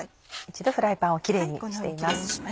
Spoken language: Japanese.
一度フライパンをキレイにしています。